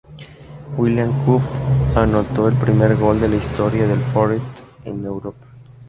William Cobb anotó el primer gol de la historia del Forest en Europa.